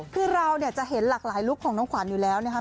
คือเราเนี่ยจะเห็นหลากหลายลุคของน้องขวัญอยู่แล้วนะครับ